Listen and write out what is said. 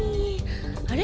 あれ？